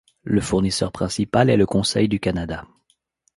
Le fournisseur principal est le conseil du Canada.